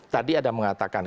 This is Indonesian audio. tadi ada mengatakan